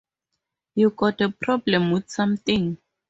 You got a problem with something?